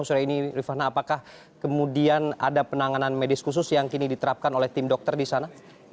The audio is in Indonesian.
sore ini rifana apakah kemudian ada penanganan medis khusus yang kini diterapkan oleh tim dokter di sana